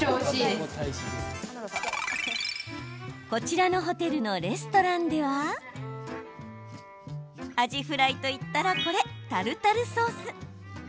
こちらのホテルのレストランではアジフライと言ったら、これタルタルソース。